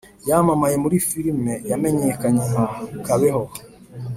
yamamaye muri filime yamenyekanye nka kabeho